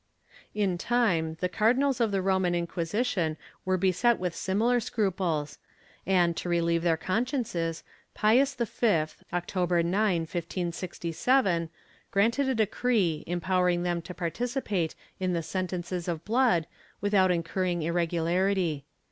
^ In time the cardinals of the Roman Inquisition were beset with similar scruples and, to relieve their consciences, Pius V, October 9, 1567, granted a decree empowering them to participate in sentences of blood without incurring irregularity.'